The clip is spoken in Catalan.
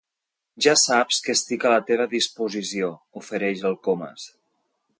Ja saps que estic a la teva disposició —ofereix el Comas—.